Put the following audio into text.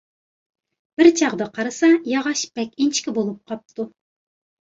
بىر چاغدا قارىسا، ياغاچ بەك ئىنچىكە بولۇپ قاپتۇ.